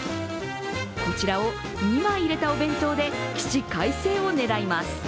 こちらを２枚入れたお弁当で起死回生を狙います。